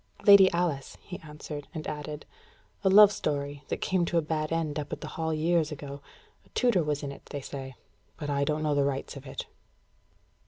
"Lady Alice," he answered, and added: "A love story, that came to a bad end up at the Hall years ago. A tutor was in it, they say. But I don't know the rights of it."